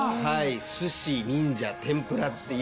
すし忍者天ぷらっていう。